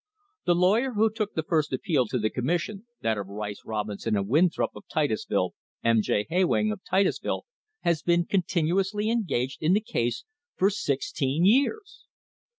The lawyer who took the first appeal to the Com mission, that of Rice, Robinson and Winthrop, of Titusville, M. J. Heywang, of Titusville, has been continually engaged in the case for sixteen years